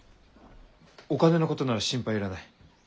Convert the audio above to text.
お金のことなら心配いらない。